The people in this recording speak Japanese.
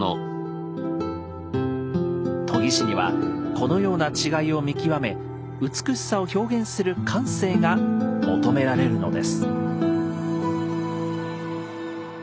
研ぎ師にはこのような違いを見極め美しさを表現する感性が求められるのです。